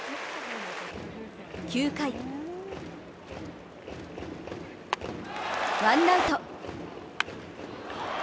９回ワンアウト。